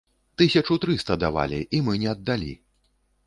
Тысячу трыста давалі, і мы не аддалі.